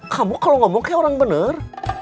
kamu kalau ngomong kayak orang benar